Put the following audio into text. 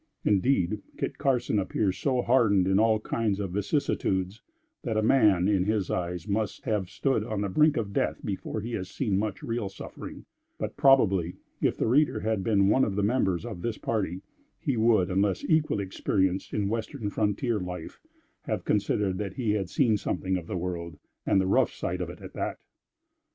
Indeed, Kit Carson appears so hardened in all kinds of vicissitudes, that a man, in his eyes, must have stood on the brink of death before he has seen much real suffering; but, probably, if the reader had been one of the members of this party, he would, unless equally experienced in Western frontier life, have considered that he had seen something of the world, and the rough side of it at that.